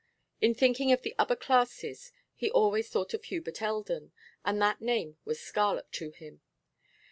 In thinking of the upper classes he always thought of Hubert Eldon, and that name was scarlet to him.